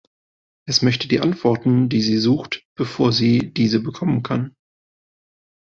Es möchte die Antworten, die sie sucht, bevor sie diese bekommen kann.